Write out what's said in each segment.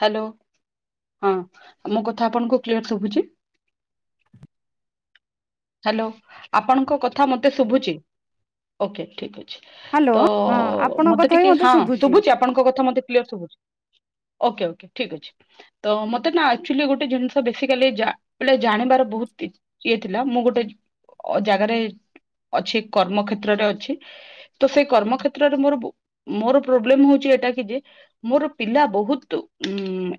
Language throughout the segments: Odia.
ହାଲୋ ହଁ ମୋ କଥା ଆପଣଙ୍କୁ କ୍ଲିୟର ଶୁଭୁଚି? ହାଲୋ ଆପଣଙ୍କ କଥା ମତେ ଶୁଭୁଚି। ଓକେ ଠିକ ଅଛି। ହ୍ୟାଲୋ ତ ହଁ ଆପଣଙ୍କ ମତେ କଥା ବି ଟିକେ, ହଁ ଶୁଭୁଛି ଶୁଭୁଚି ଆପଣଙ୍କ କଥା ମତେ କ୍ୟର ଶୁଭୁଚି। ଓକେ ଓକେ ଠିକ୍ ଅଛି। ତ ମତେ ନା ଆକ୍ଚୁଆଲି ଗୋଟେ ଜିନିଷ ବେସିକାଲି ବ ଜାଣିବାର ବହୁତ ଇଏ ଥିଲା। ଲା। ମୁଁ ଗୋଟେ ଜାଗାରେ ଅଛି କର୍ମ କର୍ମକ୍ଷେତ୍ରରେ ଅଛି। ତ ସେଇ କର୍ମ କ୍ଷେତ୍ରରେ ମୋର ମୋର ପ୍ରୋବ୍ଲେମ ହଉଛି ଏଇଟା କି ଯେ ମୋର ପିଲା ବହୁତ ଉଁ ଉଁ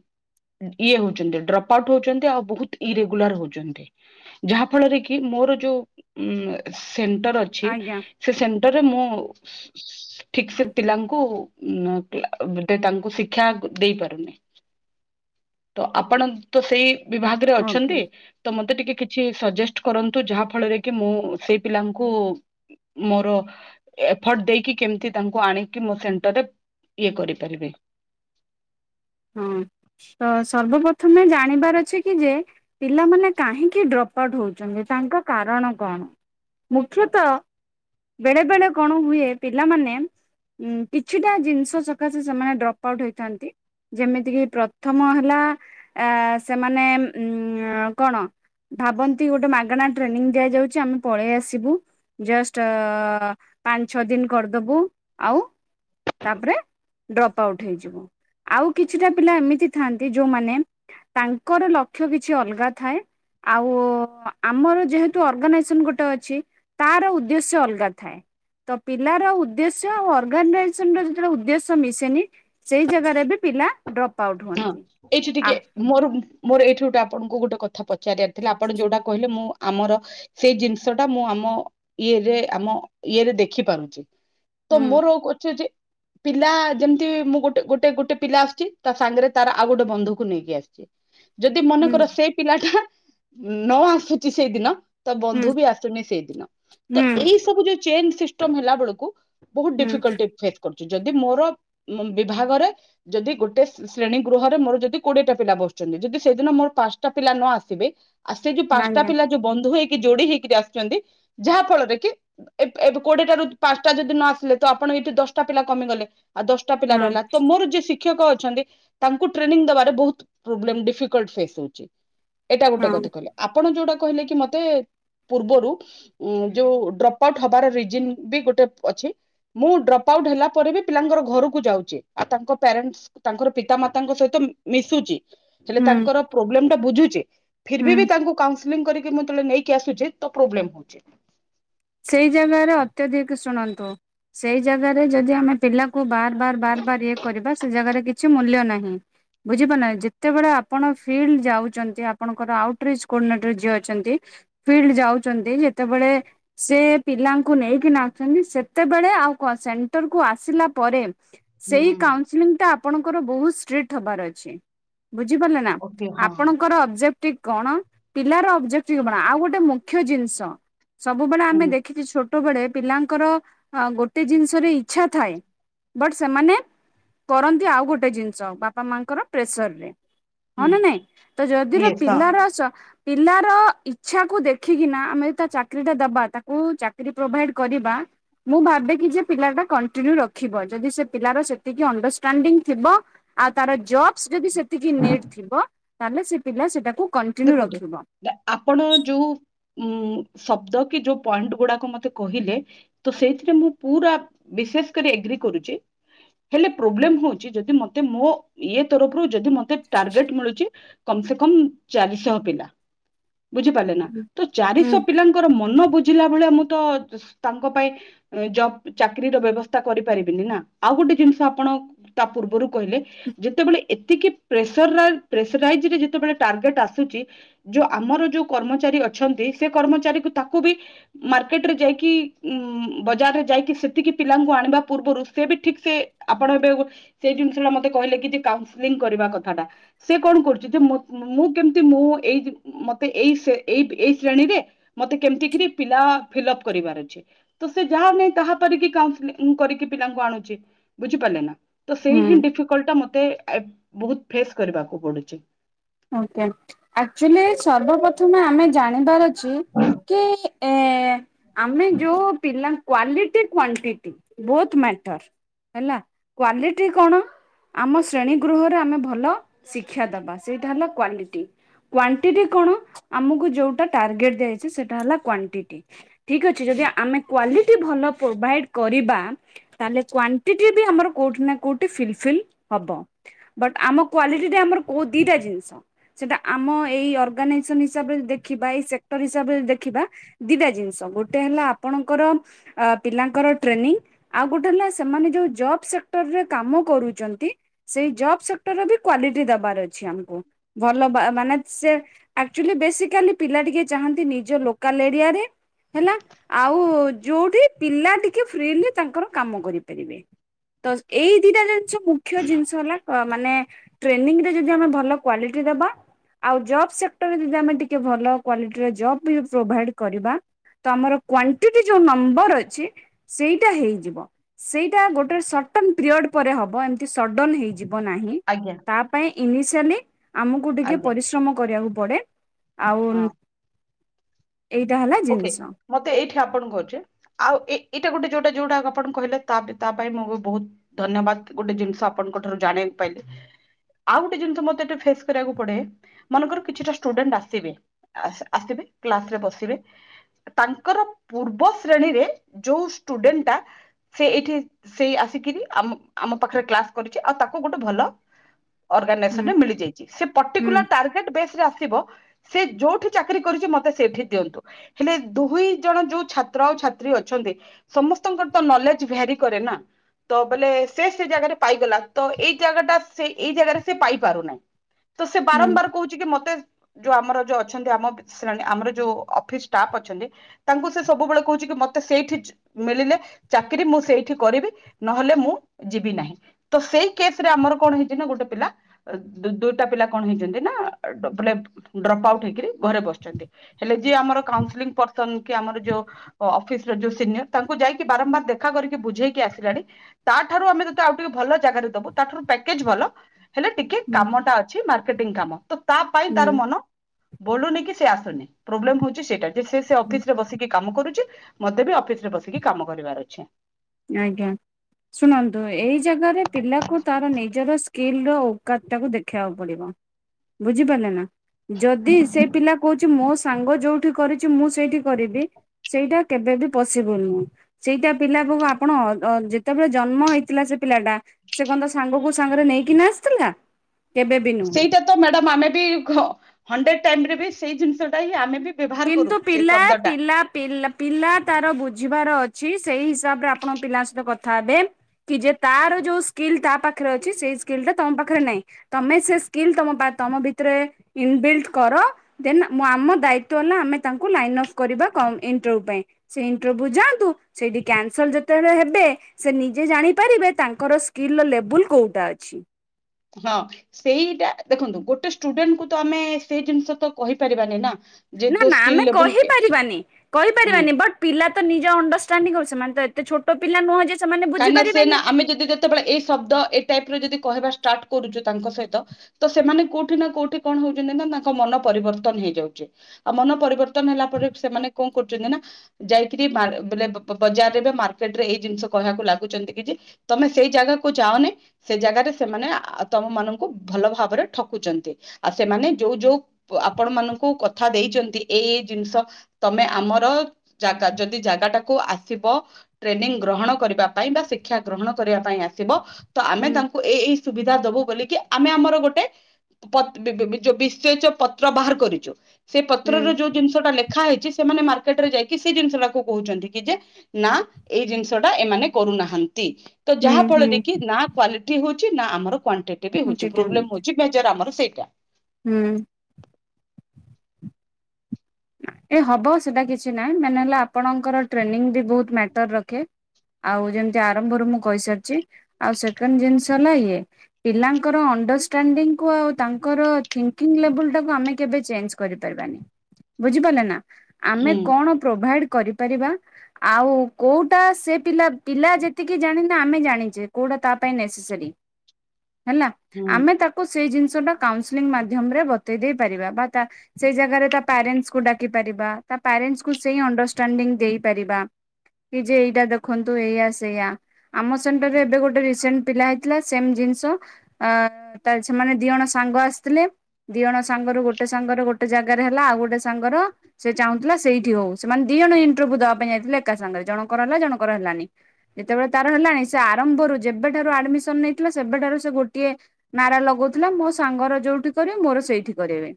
ଇଏ ହଉଛନ୍ତି ଡ୍ରପ୍ ଆଉଟ୍ ହଉଛନ୍ତି ଆଉ ବହୁତ ଇରେଗୁଲାର ହଉଛନ୍ତି। ଯାହା ଫଳରେ କି ମୋର ଯୋଉ ଉ ସେଣ୍ଟର ଅଛି ଆଜ୍ଞା ସେ ସେଣ୍ଟରରେ ମୁଁ ଠିକ ସେ ପିଲା ଙ୍କୁ ତାଙ୍କୁ ଶିକ୍ଷା ଦେଇ ପାରୁନି। ତ ଆପଣ ତ ସେଇ ବିଭାଗରେ ଓକେ ଅଛନ୍ତି ତ ମତେ ଟିକେ କିଛି ସଜେଷ୍ଟ କରନ୍ତୁ ଯାହା ଫଳରେ କି ମୁଁ ସେ ପିଲାଙ୍କୁ ମୋର ଏଫର୍ଟ ଦେଇକି କେମିତି ତାଙ୍କୁ ଆଣିକି ମୋ ସେଣ୍ଟରରେ ଇଏ କରିପାରିବି। ହଁ ତ ସର୍ବପ୍ରଥମେ ଜାଣିବାର ଅଛି କି ଯେ ପିଲାମାନେ କାହିଁକି ଡ୍ରପ୍ ଆଉଟ୍ ହଉଛନ୍ତି ତାଙ୍କ କାରଣ କଣ? ମୁଖ୍ୟତଃ ବେଳେ ବେଳେ କଣ ହୁଏ ପିଲାମାନେ ଉଁ କିଛିଟା ଜିନିଷ ସକାଶେ ସେମାନେ ଡ୍ରପ୍ ଆଉଟ୍ ହେଇଥାନ୍ତି। ଯେମିତି କିି ପ୍ରଥମ ହେଲା ଆ ସେମାନେ ଉ କଣ? ଭାବନ୍ତି ଗୋଟେ ମାଗଣା ଟ୍ରେନିଂ ଦିଆଯାଉଛି ଆମେ ପଳେଇ ଆସିବୁ। ଜଷ୍ଟ ପାଞ୍ଚ ଛଅ ଦିନ କରିଦବୁ ଆଉ ତାପରେ ଡ୍ରପ ଆଉଟ୍ ହେଇଯିବୁ। ଆଉ କିଛିଟା ପିଲା ଏମିତି ଥାଆନ୍ତି ଯୋଉମାନେ ତାଙ୍କର ଲକ୍ଷ୍ୟ କିଛି ଅଲଗା ଥାଏ। ଆଉ ଆମର ଯେହେତୁ ଅର୍ଗାନାଇଜେସନ ଗୋଟେ ଅଛି। ତାର ଉଦ୍ଦେଶ୍ୟ ଅଲଗା ଥାଏ। ତ ପିଲାର ଉଦ୍ଦେଶ୍ୟ ଅର୍ଗାନାଇଜେସନ ର ଯେତେବେଳେ ଉଦ୍ଦେଶ୍ୟ ମିଶେନି ସେଇ ଜାଗା ରେ ବି ପିଲା ଡ୍ରପ୍ ଆଉଟ୍ ହଁ ହୁଅନ୍ତି। ଏଇଠି ଆ ଟିକେ ମୋର ମୋର ଏଇଠି ଗୋଟେ ଆପଣଙ୍କୁ ଗୋଟେ କଥା ପଚାରିବାର ଥିଲା ଆପଣ ଯୋଉଟା କହିଲେ ମୁଁ ଆମର ସେଇ ଜିନିଷ ଟା ମୁଁ ଆମ ଇଏରେ ଆମ ଇଏରେ ଦେଖି ପାରୁଛି। ତ ହୁଁ ମୋର କୋଚ ଅଛି ଯେ ପିଲା ଯେମିତି ମୁଁ ଗୋଟେ ଗୋଟେ ଗୋଟେ ପିଲା ଆସୁଛି ତା ସାଙ୍ଗରେ ତାର ଆଉ ଗୋଟେ ବନ୍ଧୁକୁ ନେଇକି ଆସିଛି ଯଦି ହୁଁ ମନେକର ସେଇ ପିଲାଟା ନ ଆସୁଛି ସେଇଦିନ ତ ହୁଁ ବନ୍ଧୁ ବି ଆସୁନି ସେଇଦିନ ହୁଁ ତ ଏଇ ସବୁ ଯୋଉ ଚେନ ସିଷ୍ଟମ ହେଲା ବେଳକୁ ବହୁତ ହୁଁ ଡିଫିକଲଟ ଫେସ୍ କରୁଛି ଯଦି ମୋର ବିଭାଗରେ ଯଦି ଗୋଟେ ଶ୍ରେଣୀ ଗୃହରେ ମୋର ଯଦି କୋଡିଏଟା ପିଲା ବସୁଛନ୍ତି ଯଦି ସେଦିନ ମୋର ପାଞ୍ଚଟା ପିଲା ନ ଆସିବେ ଆଉ ସେଇ ଯୋଉ ପାଞ୍ଚଟା ଆଜ୍ଞା ପିଲା ଯୋଉ ବନ୍ଧୁ ହେଇକି ଯୋଡି ହେଇକିରି ଆସିୁଛନ୍ତି ଯାହା ଫଳରେ କି ଏବେ ଏବେ କୋଡିଏ ଟାରୁ ପାଞ୍ଚଟା ଯଦି ନ ଆସିଲେ ତ ଆପଣ ଏଠି ଦଶଟା ପିଲା କମିଗଲେ। ଆଉ ଦଶଟା ପିଲା ହଁ ରହିଲା ତ ମୋର ଯିଏ ଶିକ୍ଷକ ଅଛନ୍ତି। ତାଙ୍କୁ୍ ଟ୍ରେନିଂ ଦବାରେ ବହୁତ ପ୍ରୋବ୍ଲୋମ ଡିଫିକଲ୍ଟ ଫେସ ହଉଛି। ଏଇଟା ଗୋଟେ ହଁ କଥା କହିଲେ। ଆପଣ ଯୋଉଟା କହିଲେ କି ମତେ ପୂର୍ବରୁ ଉଁ ଯୋଉ ଡ୍ରପ୍ ଆଉଟ୍ ହବାର ରିଜିନ ବି ଗୋଟେ ଅଛି। ମୁଁ ଡ୍ରପ୍ ଆଉଟ୍ ହେଲା ପରେ ବି ପିଲାଙ୍କର ଘରକୁ ଯାଉଛି ଆଉ ତାଙ୍କ ପ୍ୟାରେଣ୍ଟସ୍ ତାଙ୍କର ପିତା ମାତାଙ୍କ ସହିତ ମିଶୁଛି ହେଲେ ହୁଁ ତାଙ୍କର ପ୍ରୋବ୍ଲେମ ଟା ବୁଝୁଛି ଫିରୀ ହୁଁ ବି ତାଙ୍କୁ କାଉନସିଲ କରି ନେଇକି ଆସୁଛି ତ ପ୍ରୋବ୍ଲେମ ହଉଛି। ସେଇ ଜାଗାରେ ଅତ୍ୟଧିକ ଶୁଣନ୍ତୁ ସେଇ ଜାଗାରେ ଯଦି ଆମେ ପିଲାକୁ ବାର ବାର ବାର ବାର ଇଏ କରିବା ସେ ଜାଗାରେ କିଛି ମୂଲ୍ୟ ନାହିଁ। ବୁଝିପାରୁ ନା ଯେତେବେଳେ ଆପଣ ଫିଲ୍ଡି ଯାଉଛନ୍ତି ଆପଣଙ୍କର ଆଉଟି ରିଚ୍ କୋଡ଼ିନେଟର ଯିଏ ଅଛନ୍ତି ଫିଲ୍ଡି ଯାଉଛନ୍ତି ଯେତେବେଳେ ସେ ପିଲାଙ୍କୁ ନେଇକି ନାଚୁଛନ୍ତି ସେତେବେଳେ ଆଉ କଣ ସେଣ୍ଟର କୁ ଆସିଲା ପରେ ସେଇ ହୁଁ କାଉନସିଲଂ ଟା ଆପଣଙ୍କର ବହୁତ ଷ୍ଟ୍ରିକ୍ଟି ହବାର ଅଛି। ବୁଝିପାରିଲେ ନା ଓକେ ହଁ ଆପଣଙ୍କର ଅବଜେ ଟି କଣ ପିଲାର ଅବଜେକ୍ଟ କଣ ଆଉ ଗୋଟେ ମୁଖ୍ୟ ଜିନିଷ ଭୁବେଳେ ଆମେ ହୁଁ ଦେଖିଛି ଛୋ ଛୋଟ ବେଳେ ପିଲାଙ୍କର ଗୋଟେ ଜିନିଷରେ ଇଛା ଥାଏ ବଟ ସେମାନେ କରନ୍ତି ଆଉ ଗୋଟେ ଜିନ୍ଷ ବାପା ମା ଙ୍କର ପ୍ରେସର୍ ବି। ହଁ ହୁଁ ନା ନାଇଁ ତ ଯଦିର ୟେସ୍ ହଁ ପିଲାାର ସ ପିଲାର ଇଚ୍ଛା କୁ ଦେଖିକିନା ଆମେ ତା ଚା ଚାକିରି ଟା ଦବା ତାକୁ ଚାକିରି ପ୍ରୋଭାଇଡ୍ କରିବା। ମୁଁ ଭା କିି ଯେ ପିଲାଟା କଣ୍ଟିନ୍ୟୁ ରଖିବ ଯଦି ସେ ପିଲାର ସେତିକି ଅଣ୍ଡର୍ ଷ୍ଟାଣ୍ଡିଙ୍ଗ୍ ଥିବ ଆଉ ତାର ଜବ୍ସ ଯଦି ସେତିକିଟ୍ ଥିବ ତାହେଲେ ସେ ପିଲା ସେଟାକୁ କଣ୍ଟିନ୍ୟୁ ଦେଖନ୍ତୁ ରଖିବ। ଆପଣ ଯୋଉ ଉ ଶବ୍ଦ କି ଯୋଉ ପଏଣ୍ଟ ଗୁଡାକ ମତେ କହିଲେ ତ ସେଇଥିରେ ମୁଁ ପୁରା ବିଶେଷ୍ କରି ଏଗ୍ରି କରୁଚି। ହେଲେ ପ୍ରୋବ୍ଲେମ୍ ହୋଉଛଳଚି ଯଦି ମତେ ମୋ ଇ ତରଫରୁ ଯଦି ମତେ ଟାର୍ଗେଟ ମିଳୁଚି କମ୍ ସେ କମ୍ ଚାରିଶହ ପିଲା। ବୁଝିପାରିଲେ ନା ତ ଚାରିଶହ ପିଲାଙ୍କର ମନ ବୁଝିଲା ଭଳେଆ ମୁଁ ତ ତାଙ୍କ ପାଇଁ ଜବ୍ ଚାକିରିର ବ୍ୟବସ୍ଥା କରିପାରିବିନି ନା ଆଉ ଗୋଟେ ଜିନିଷ ଆପଣ ତା ପୂର୍ବରୁ କହିଲେ ଯେତେବେଳେ ଏତିକି ପ୍ରେସର୍ ରା ପ୍ରେସରାଇଜ୍ ଯେତେବେଳେ ଟାର୍ଗେଟ୍ ଆସୁଚି ଆମର ଯୋଉ କର୍ମଚାରୀ ଅଛନ୍ତି ସେ କର୍ମଚାରୀକୁ ତାକୁ ବି ମାର୍କେଟ୍ ରେ ଯାଇକି ଉ ବଜାରରେ ଯାଇକି ସେତିକି ପିଲାଙ୍କୁ ଆଣିବା ପୂର୍ବରୁ ସେ ବି ଠିକ୍ ସେ ଆପଣ ଏବେ ସେଇ ଜିନ୍ଷା ମତେ କହିଲେ କି କାଉନସେଲିଂ କରିବା କଥାଟା। ସେ କଣ କରୁଚି ଯେ ମୁ ମୁଁ କେମତି ମୁ ଏଇ ମତେ ଏଇ ସେ ଏଇ ଏଇ ଶ୍ରେଣୀରେ ମତେ କେମିତିକରି ପିଲା ଫିଲ୍ ଅପ୍ କରିବାର ଅଛି। ତ ସେ ଯାହା ନାହିଁ ତାହା ପରିକି କାଉଁସି ଲିଙ୍ଗ୍ କରିକି ପିଲାଙ୍କୁ ଆଣୁଛି ବୁଝିପାରିଲେ ନା? ତ ସେଇ ହୁଁ। ହିଁ ଡିଫିକଲଟା ମତେ ବୋହୁତ୍ ଫେସ୍ କରିବାକୁ ପଡୁଚି। ଓକେ ଆକ୍ଚୁଲି ଏ ସର୍ବ ପ୍ରଥମେ ଆମେ ଜାଣିବାର ଅଛି କି ଏ ଆମେ ଯୋଉ ପିଲା କ୍ଵାଲିଟି କ୍ଵାଣ୍ଟିଟି ବୋଥ୍ ମ୍ୟାଟର୍। ହେଲା କ୍ଵାଲିଟି କଣ ଆମ ଶ୍ରେଣୀ ଗୃହରୁ ଆମେ ଭଲ ଶିକ୍ଷା ଦବା। ସେଇଟା ହେଲା କ୍ଵାଲିଟି। କ୍ଵାଣ୍ଟିଟି କଣ ଆମୁକୁ ଯୋଉଟା ଟାର୍ଗେଟ୍ ଦିଆହେଇଚି ସେଇଟା ହେଲା କ୍ଵାଣ୍ଟିଟି। ଠିକ୍ ଅଛି ଯଦି ଆମେ କ୍ଵାଲିଟି ଭଲ ପ୍ରୋଭାଇଡ କରିବା ତାହଲେ କ୍ଵାଣ୍ଟିଟି ବି ଆମର କୋଉଠି ନା କୋଉଠି ଫୁଲ୍ ଫିଲ୍ ହବ। ବଟ୍ ଆମ କ୍ଵାଲିଟିରେ ଆମର କୋଉ ଦିଟା ଜିନ୍ଷ ସେଟା ଆମ ଏଇ ଅର୍ଗାନାଇଜେସନ୍ ହିସାବରେ ଦେଖିବା ଏଇ ସେକ୍ଟର୍ ହିସାବରେ ଦେଖିବା। ଦିଟା ଜିନ୍ଷ ଗୋଟେ ହେଲା ଆପଣଙ୍କର ପିଲାଙ୍କର ଟ୍ରେନିଂ ଆଉ ଗୋଟେ ହେଲା ସେମାନେ ଯୋଉ ଜବ୍ ସେକ୍ଟର୍ ରେ କାମ କରୁଚନ୍ତି। ସେଇ ଜବ୍ ସେକ୍ଟର୍ ର ବି କ୍ଵାଲିଟି ଦବାର୍ ଅଛି ଆମକୁ ଭଲ ବା ମାନେ ସେ ଆକ୍ଚୁଲି ବେସିକାଲି ପିଲା ଟିକେ ଚାହାନ୍ତି ନିଜ ଲୋକାଲ୍ ଏରିଆରେ। ହେଲା ଆଉ ଯୋଉଠି ପିଲା ଟିକେ ଫ୍ରିଲି ତାଙ୍କର କାମ କରିପାରିବେ। ତ ଏଇ ଦିଟା ଜିନ୍ଷ ମୁଖ୍ୟ ଜିନ୍ଷ ହେଲା ମାନେ ଟ୍ରେନିଂ ରେ ଯୋ ଆମେ ଭଲ କ୍ୱଲିଟି ଦବା। ଆଉ ଜବ୍ ସେକ୍ଟରରେ ଯଦି ଆମେ ଟିକେ ଭଲ କ୍ଵାଲିଟିର ଜବ୍ ବି ପ୍ରୋଭାଇଡ କରିବା। ତ ଆମର କ୍ଵାଣ୍ଟିଟି ଯୋଉ ନମ୍ବର୍ ଅଛି ସେଇଟା ହେଇଯିବ। ସେଇଟା ଗୋଟେ ସଟନ୍ ପିରିୟଡ ପରେ ହବ ଏମ୍ତି ସଡନ୍ ହେଇଯିବ ନାହିଁ। ଆଜ୍ଞା। ତା ପାଇଁ ଇନିସିଆଲି ଆମୁକୁ ଟିକେ ଆଜ୍ଞା ପରିଶ୍ରମ କରିବାକୁ ପଡେ, ଆଉ ହଁ ଏଇଟା ହେଲା ଜିନ୍ ଓକେ ଷ। ମତେ ଏଇଠି ଆପଣ କୁଛେ ଆଉ ଏଇଟା ଗୋଟେ ଯୋଉଟା ଯୋଉଟା ଆପଣ କହିଲେ ତା ତା ପାଇଁ ମୁଁ ବି ବୋହୁତ୍ ଧନ୍ୟବାଦ୍ ଗୋଟେ ଜିନ୍ଷ ଆପଣଙ୍କ ଠାରୁ ଜାଣିବାକୁ ପାଇଲି। ଆଉ ଗୋଟେ ଜିନ୍ଷ ମତେ ଏ ଫେସ୍ କରିବାକୁ ପଡେ, ମନଙ୍କର କିଛିଟା ଷ୍ଟୁଡେଣ୍ଟ୍ ଆସିବେ। ଆଁ ଆସିବେ କ୍ଲାସ୍ ରେ ବସିବେ। ତାଙ୍କର ପୂର୍ବ ଶ୍ରେଣୀରେ ଯୋଉ ଷ୍ଟୁଡେଣ୍ଟ୍ ଟା ସେ ଏଇଠି ସେଇ ଆସିକିରି ଆମ ଆମ ପାଖରେ କ୍ଲାସ କରିଚି ଆଉ ତାକୁ ଗୋଟେ ଭଲ ହୁଁ ଅର୍ଗାନେସରେ ମିଳିଯାଇଚି ସେ ହୁଁ ପର୍ଟିକୁଲା ଟାର୍ ସେଟ୍ ବେସରେ ଆସିବ ସେ ଯୋଉଠି ଚାକିରି କରିଚି ମତେ ସେଇଠି ଦିଅନ୍ତୁ। ହେଲେ ଦୁହି ଜଣ ଯୋଉ ଛାତ୍ର ଆଉ ଛାତ୍ରୀ ଅଛନ୍ତି ସମସ୍ତଙ୍କର ତ ନଲେଜ ଭ୍ୟାରି କରେନା। ତ ବୋଲେ ସେ ସେ ଜାଗାରେ ପାଇଗଲା ତ ଏଇ ଜାଗାଟା ସେଇ ଏଇ ଜାଗାରେ ସେ ପାଇପାରୁନାଇଁ। ତ ସେ ହୁଁ ବାରମ୍ବାର କୋହୁଚି କି ମତେ ଯୋଉ ଆମର ଯୋଉ ଅଛନ୍ତି ଆମ ବି ଶ୍ରେଣି ଆମର ଯୋଉ ଅ ଫିସ୍ ଷ୍ଟାପ୍ ଅଛନ୍ତି ତାଙ୍କୁ ସେ ସବୁବେଳେ କୋହୁଚି କି ମତେ ସେଇଠି ଜ ମିଳିଲେ ଚାକିରି ମୁଁ ସେଇଠି କରିବି ନହେଲେ ମୁଁ ଯିବିନାହିଁ। ତ ସେଇ କେସରେ ଆମର କଣ ହେଇଚି ନା ଗୋଟେ ପିଲା ଅ ଦୁ-ଦୁଇଟା ପିଲା କଣ ହେଇଚନ୍ତି ନା ଅ ଡ ବୋଲେ ଡ୍ରପ୍ ଆଉଟ୍ ହେଇକିରି ଘରେ ବସଚନ୍ତି। ହେଲେ ଯିଏ ଆମର କାଉନସିଲିଂ ପର୍ସନ୍ କି ଆମର ଯୋଉ ଅ ଅଫିସର ଯୋଉ ସିନିଅର ତାଙ୍କୁ ଯାଇକି ବାରମ୍ବାର ଦେଖାକରିକି ବୁଝେଇକି ଆସିଲାଣି ତାଠାରୁ ଆମେ ତତେ ଆଉ ଟିକେ ଭଲ ଜାଗାରେ ଦୋବୁ ତାଠାରୁ ପ୍ୟାକେଜ ଭଲ। ହେଲେ ଟିକେ ହୁଁ କାମଟା ଅଛି ମାର୍କେଟିଂ କାମ ତ ତା ପାଇଁ ତାର ମନ ବୋଲୁନି କି ସେ ଆସୁନି ପ୍ରୋବ୍ଲେମ ହୋଉଚି ସେଇଟା ଯେ ସେ ସେ ହୁଁ ଅଫିସରେ ବସିକି କାମ କରୁଚି ମତେ ବି ଅଫିସରେ ବସିକି କାମ କରିବାର ଅଛି। ଆଜ୍ଞା। ଶୁଣନ୍ତୁ ଏଇ ଜାଗାରେ ପିଲାକୁ ତାର ନିଜର ସ୍କିଲର ଔକାତ୍ ତାକୁ ଦେଖେଇବାକୁ ପଡିବ। ବୁଝିପାରିଲେ ନା? ଯଦି ସେ ପିଲା କୋହୁଚି ମୋ ସାଙ୍ଗ ଯୋଉଠି କରିଚି ମୁଁ ସେଇଠି କରିବି ସେଇଟା କେବେ ବି ପସିବୁଲ୍ ନୁହଁ ସେଇଟା ପିଲା କୋହୁ ଆ ଆପଣ ଅ ଅ ଯେତେବେଳେ ଜନ୍ମ ହେଇଥିଲା ସେ ପିଲାଟା ସେ କଣ ତା ସାଙ୍ଗକୁ ସାଙ୍ଗରେ ନେଇକିନା ଆସିଥିଲା କେବେ ବି ନୁହଁ। ସେଇଟା ତ ମ୍ୟାଡାମ ଆମେ ବି ଘ ହଣ୍ଡେଡ୍ ଟାଇମରେ ବି ସେଇ ଜିନିଷଟା ହିଁ ଆମେ ବି ବ୍ୟବହାର କରୁ କିନ୍ତୁ ସେଇ ପିଲା ଶବ୍ଦ ଟା ପିଲା ପିଲା ପିଲା ତାର ବୁଝିବାର ଅଛି ସେଇ ହିସାବରେ ଆପଣଙ୍କ ପିଲାଙ୍କ ସହିତ କଥା ହେବେ କି ଯେ ତାର ଯୋଉ ସ୍କିଲ୍ ତା ପାଖରେ ଅଛି ସେଇ ସ୍କିଲଟା ତମ ପାଖରେ ନାଇଁ। ତମେ ସେ ସ୍କିଲ୍ ତମ ପା ତମ ଭିତରେ ଇନବିଲ୍ଡ କର ଦେନ୍ ମୁଁ ଆମ ଦାୟି ତ୍ୱ ନା ଆମେ ତାଙ୍କୁ ଲାଇନଅଫ୍ କରିବା କମ୍ ଇଣ୍ଟରୋ ପାଇଁ। ସେ ଇଣ୍ଟରଭୁ ଯାଆନ୍ତୁ ସେଇଠି କ୍ୟାନସଲ୍ ଯେତେବେଳେ ହେବେ ସେ ନିଜେ ଜାଣିପାରିବେ ତାଙ୍କର ସ୍କିଲର ଲେବୁଲ୍ କୋଉଟା ଅଛି। ହଁ। ସେଇଟା ଦେଖନ୍ତୁ ଗୋଟେ ଷ୍ଟୁଡେଣ୍ଟକୁ ତ ଆମେ ସେଇ ଜିନିଷ ତ କହିପାରିବାନି ନା। ଯେ ନା ତୋ ନା ସ୍କିଲ୍ ଆମେ ଲେବୁଲ କହିପାରିବାନି ହୁଁ କହିପାରିବାନି ବଟ୍ ପିଲା ତ ନିଜେ ଅଣ୍ଡରଷ୍ଟାଣ୍ଡିଙ୍ଗ କଁ ସେମାନେ ତ ଏତେ ଛୋଟ ପିଲା ନୁହଁ ଯେ ସେମାନେ କାହିଁକି ନା ସେ ନା ବୁଝିପାରିବେନି। ଆମେ ଯଦି ଯେତେବେଳେ ଏଇ ଶବ୍ଦ ଏ ଟାଇପରେ ଯଦି କହିବା ଷ୍ଟାର୍ଟ କରୁଚୁ ତାଙ୍କ ସହିତ ତ ସେମାନେ କୋଉଠି ନା କୋଉଠି କଣ ହୋଉଚନ୍ତି ନା ତାଙ୍କ ମନ ପରିବର୍ତ୍ତନ ହେଇଯାଉଚି ଆଉ ମନ ପରିବର୍ ର୍ତନ ହେଲା ପରେ ସେମାନେ କଣ କରୁଚନ୍ତି ନା ଯାଇକିରି ମାର୍ ବୋଇଲେ ବ-ବ-ବଜାରରେ ବେ ମାର୍କେଟରେ ଏଇ ଜିନଷ କହିବାକୁ ଲାଗୁଚନ୍ତି କିଛି ତମେ ସେଇ ଜାଗାକୁ ଯାଅନି ସେ ଜାଗାରେ ସେମାନେ ଆ ତମମାନଙ୍କୁ ଭଲ ଭାବରେ ଠକୁଚନ୍ତି ଆଉ ସେମାନେ ଯୋଉ ଯୋଉ ପ ଆପଣମାନଙ୍କୁ କଥା ଦେଇଚନ୍ତି ଏଇ ଏଇ ଜିନଷ ତମେ ଆମର ଜାଗା ଯଦି ଜାଗାଟାକୁ ଆସିବ ଟ୍ରେନିଂ ଗ୍ରହଣ କରିବା ପାଇଁ ବା ଶିକ୍ଷା ଗ୍ରହଣ କରିବା ପାଇଁ ଆସିବ ତ ଆମେ ହୁଁ ତାଙ୍କ୍ ଏଇ ଏଇ ସୁବିଧା ଦୋବୁ ବୋଲିକି ଆମେ ଆମର ଗୋଟେ ପ-ପତ୍ ବି-ବି-ବି ଯୋଉ ବିଶେଚ ପତ୍ର ବାହାର କରିଚୁ ସେଇ ହୁଁ ପତ୍ରର ଯୋଉ ଜିନଷଟା ଲେଖାହେଇଚି ସେମାନେ ମାର୍କେଟରେ ଯାଇକି ସେଇ ଜିନଷଟାକୁ କୋହୁଚନ୍ତି କି ଯେ ନା ଏଇ ଜିନଷ ଟା ଏମାନେ କରୁନାହାନ୍ତି ତ ହୁଁ ଯାହା ହୁଁ ଫଳରେ କି ନା କ୍ଵାଲିଟି ହୋଉଚି ନା ଆମର କ୍ୱାଣ୍ଟି ଟିଟି ହୋଉଚି ଏଟିଟ୍ୟୁଡ ପ୍ରୋବ୍ଲେମ ହୋଉଚି ମେଜାର ଆମର ସେଇଟା। ହୁଁ। ଏ ହବ ସେଟା କିଛି ନାଇଁ ମାନେ ହେଲେ ଆପଣଙ୍କର ଟ୍ରେନିଂ ବି ବୋହୁତ ମ୍ୟାଟର ରଖେ। ଆଉ ଯେମତି ଆରମ୍ଭରୁ ମୁଁ କହିସାରିଚି ଆଉ ସେକେଣ୍ଡ ଜିନଷ ହେଲା ଇଏ। ପିଲାଙ୍କର ଅଣ୍ଡରଷ୍ଟାଣ୍ଡିଙ୍ଗକୁ ଆଉ ତାଙ୍କର ଥିଙ୍କିଙ୍ଗ ଲେବୁଲ ଟାକୁ ଆମେ କେବେ ଚେଞ୍ଜ କରିପାରିବାନି। ବୁଝିପାରିଲେ ନା। ଆମେ ହୁଁ କଣ ପ୍ରୋଭାଇଡ କରିପାରିବା ଆଉ କୋଉଟା ସେ ପିଲା ପିଲା ଯେତିକି ଜାଣିନ ଆମେ ଜାଣିଛେ କୋଉଟା ତା ପାଇଁ ନେସେସାରୀ ହେଲା। ହୁଁ ଆମେ ତାକୁ ସେଇ ଜିନିଷ ଟା କାଉନ୍ସିଲ ମାଧ୍ୟମରେ ବତେଇ ଦେଇ ପାରିବା। ସେ ଜାଗାରେ ତା ଫରେନ୍ସ କୁ ଡାକି ପାରିବା। ତା ଫରେନ୍ସ କୁ ସେଇ ଅଣ୍ଡର ଷ୍ଟାଣ୍ଡିଂ ଦେଇପାରିବା କି ଯେ ଏଇଟା ଦେଖନ୍ତୁ ଏଇଆ ସେଇଆ ଆମ ସେଣ୍ଟର ରେ ଏବେ ଗୋଟେ ରିସେଣ୍ଟ ପିଲା ହେଇଥିଲା ସେମ୍ ଜିନିଷ। ଅ ତାଲେ ସେମାନେ ଦି ଜଣ ସାଙ୍ଗ ଆସିଥିଲେ ଦି ଜଣ ସାଙ୍ଗରୁ ଗୋଟେ ସାଙ୍ଗର ଗୋଟେ ଜାଗାରେ ହେଲା। ଆଉ ଗୋଟେ ସାଙ୍ଗର ସେ ଚାହୁଁଥିଲା ସେଇଠି ହଉ। ସେମାନେ ଦି ଜଣ ଇଣ୍ଟରଭ୍ୟୁ ଦେବା ପାଇଁ ଯାଇଥିଲେ ଏକା ସାଙ୍ଗରେ, ଜଣଙ୍କର ହେଲା ଜଣଙ୍କର ହେଲାନି। ଯେତେବେଳେ ତାର ହେଲାଣି ସେ ଆରମ୍ଭରୁ ଯେବେଠାରୁ ଆଡମିସନ ନେଇଥିଲା ସେବେଠାରୁ ସେ ଗୋଟିଏ ନାରା ଲଗଉଥିଲା ମୋ ସାଙ୍ଗର ଯୋଉଠି କରିବେ ମୋର ସେଇଠି କରିବି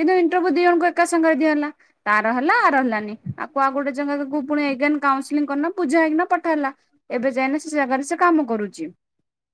କିନ୍ତୁ ଇଣ୍ଟର୍ବୁ ଦି ଜଣଙ୍କୁ ଏକା ସାଙ୍ଗ ଦି ହେଲା। ତାର ହେଲା ଆର ହେଲାନି। ଆକୁ ଆଉ ଗୋଟେ ଜା ପୁଣି ଏଗେନ କାଉନସେଲିଂ କରିକିନା ପୂଜା ହେଇ କିନା ପଠ ହେଲା। ଏବେ ଯାଇନା ସେ ଜାଗାରେ ସେ କାମ କରୁଛି।